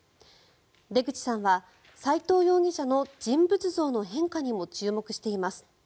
出口さんは斎藤容疑者の人物像の変化にも注目しています。